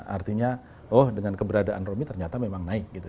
artinya oh dengan keberadaan romy ternyata memang naik gitu